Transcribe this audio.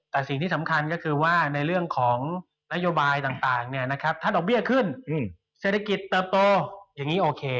แต่สิ่งที่สำคัญก็คือว่าในเรื่องของนโยบายต่างถ้าดอกเบี้ยขึ้นเศรษฐกิจเติบโตอย่างนี้โอเค